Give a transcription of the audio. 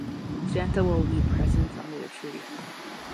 Santa will leave presents under the tree.